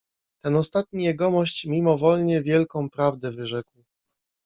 "Ten ostatni Jegomość mimowolnie wielką prawdę wyrzekł."